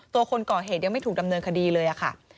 คนก่อเหตุยังไม่ถูกดำเนินคดีเลยค่ะ